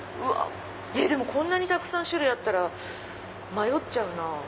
でもこんなにたくさん種類あったら迷っちゃうなぁ。